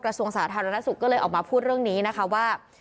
ส่วนสาธารณสุขก็เลยออกมาพูดเรื่องนี้นะคะว่า